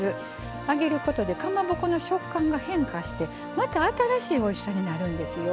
揚げることでかまぼこの食感が変化してまた新しいおいしさになるんですよ。